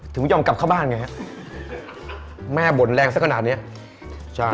ไม่ยอมกลับเข้าบ้านไงฮะแม่บ่นแรงสักขนาดเนี้ยใช่